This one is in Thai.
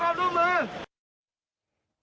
มานี่ครับมานี่หน่อย